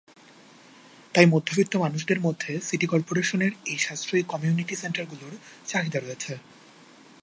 তাই মধ্যবিত্ত মানুষের মধ্যে সিটি করপোরেশনের এই সাশ্রয়ী কমিউনিটি সেন্টারগুলোর চাহিদা রয়েছে।